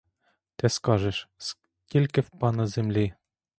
Ти скажеш: стільки в пана землі!